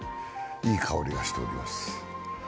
いい香りがしております。